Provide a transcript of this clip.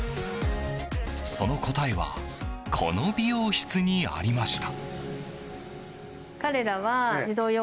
その答えはこの美容室にありました。